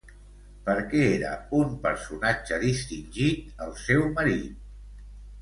Per què era un personatge distingit, el seu marit?